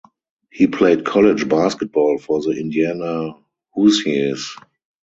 He played college basketball for the Indiana Hoosiers.